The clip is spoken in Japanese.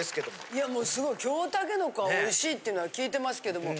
いやもうすごい京たけのこはおいしいっていうのは聞いてますけども。